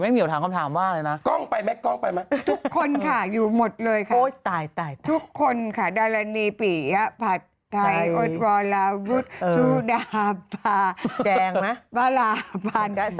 ไม่เหมียวถามคำถามบ้างเลยนะ